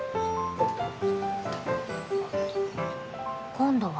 今度は？